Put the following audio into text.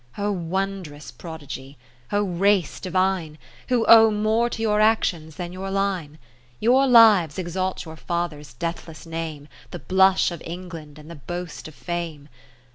i O wond'rous prodigy ! O race divine ! Who owe more to your actions than your line. | Your lives exalt your father's death less name, The blush of England, and the boast of Fame.